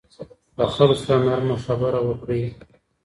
له خلکو سره نرمه خبره وکړئ.